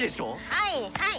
はいはい！